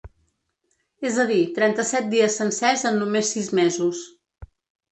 És a dir, trenta-set dies sencers en només sis mesos.